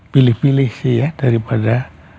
pilih pilih sih ya daripada